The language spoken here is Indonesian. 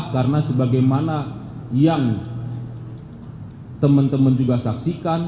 karena sebagaimana yang teman teman juga saksikan